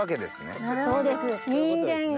そうです。